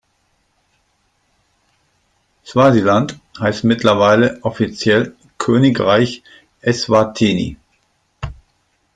Swasiland heißt mittlerweile offiziell Königreich Eswatini.